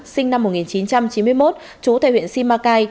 sinh năm một nghìn chín trăm chín mươi một trú tại huyện simacai